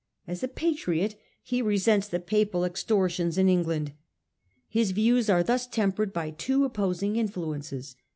As a patriot he resents the Papal ex tortions in England. His views are thus tempered by two opposing influences.